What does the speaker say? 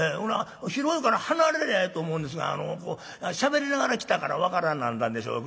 広いから離れりゃええと思うんですがしゃべりながら来たから分からなんだんでしょう。